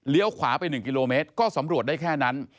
ขวาไป๑กิโลเมตรก็สำรวจได้แค่นั้น